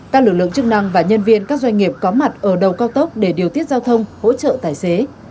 các lực lượng chức năng và nhân viên các doanh nghiệp có mặt ở đầu cao tốc để điều tiết giao thông hỗ trợ tài xế